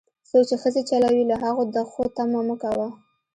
څوک چې ښځې چلوي، له هغو د ښو تمه مه کوه.